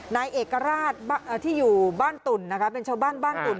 นายเอกราชที่อยู่บ้านตุ่นนะคะเป็นชาวบ้านบ้านตุ่น